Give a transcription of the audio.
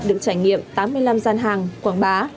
được trải nghiệm tám mươi năm gian hàng quảng bá